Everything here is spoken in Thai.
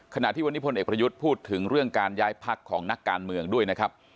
ขณะที่วันนี้พลเอกประยุทธ์พูดถึงเรื่องการย้ายพักของนักการเมืองด้วยนะครับ